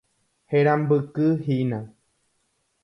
Herambykyhína.